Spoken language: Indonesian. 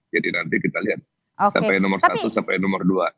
jadi nanti kita lihat siapa yang nomor satu siapa yang nomor dua